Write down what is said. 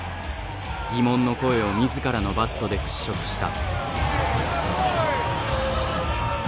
疑問の声を自らのバットで払拭した。